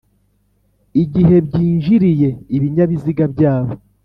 igihe byinjiriye, ibinyabiziga byabo